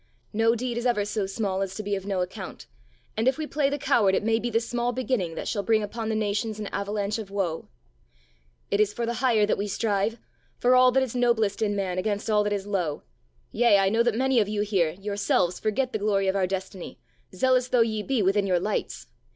No deed is ever so small as to be of no account and if we play the coward it may be the small beginning that shall bring upon the nations an avalanche of woe. "It is for the higher that we strive, for all that is noblest in man against all that is low. Yea, I know that many of you here, yourselves forget the glory of our destiny, zealous though ye be within your lights.